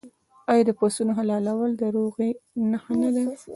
آیا د پسونو حلالول د روغې نښه نه ده؟